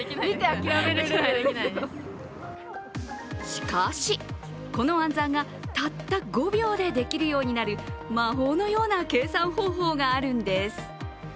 しかし、この暗算がたった５秒でできるようになる魔法のような計算方法があるんです。